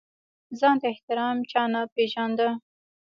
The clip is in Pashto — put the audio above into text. ځان ته احترام چا نه پېژانده.